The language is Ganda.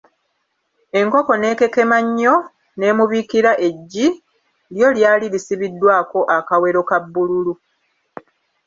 Enkoko n'ekekema nnyo n'emubiikira eggi, lyo lyali lisibiddwako akawero aka bbululu.